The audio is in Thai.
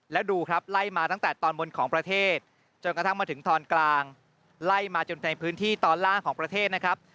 แล้วดูครับไล่มาตั้งแต่ตอนบนของประเทศจนกระทั่งมาถึงตอนกลางไล่มาจนในพื้นที่ตอนล่างของประเทศนะครับ